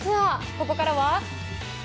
ここからは。